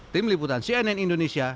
tim liputan cnn indonesia